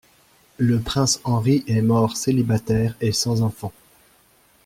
Le prince Henri est mort célibataire et sans enfant.